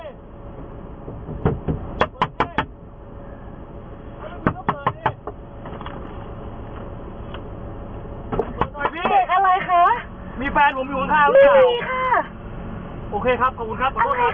อะไรคะ